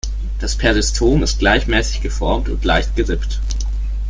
Das Peristom ist gleichmäßig geformt und leicht gerippt.